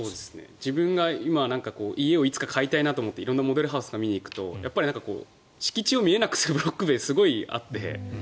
自分がいつか家を買いたいなと思って色んなモデルハウスとかを見に行くと敷地を見えにくくするブロック塀がすごくあって。